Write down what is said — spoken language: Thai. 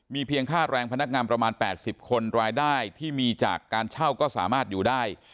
เพียงค่าแรงพนักงานประมาณ๘๐คนรายได้ที่มีจากการเช่าก็สามารถอยู่ได้